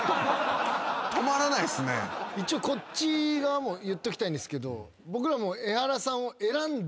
一応こっち側も言っときたいんですけど。